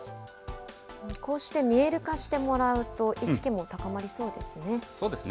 こうして見える化してもらうと、意識も高まりそうですね。